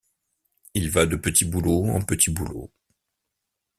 Il va de petits boulots en petits boulots.